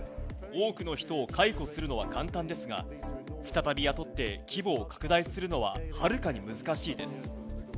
多くの人を解雇するのは簡単ですが、再び雇って規模を拡大するのは、はるかに難しいです。